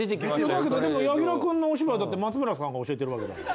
だけどでも柳楽くんのお芝居だって松村さんが教えてるわけだから。